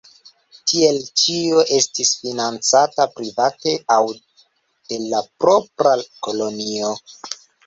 Tiele ĉio estis financata private aŭ de la propra kolonio.